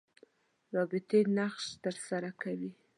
ربطي نقش تر سره کوي.